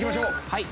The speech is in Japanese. はい。